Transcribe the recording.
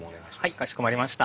はいかしこまりました。